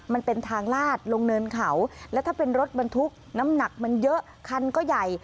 มันเป็นทางลาดลงเนินเขาและถ้าเป็นรถบรรทุกน้ำหนักมันเยอะคันก็ใหญ่